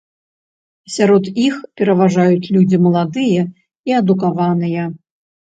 Сярод іх пераважаюць людзі маладыя і адукаваныя.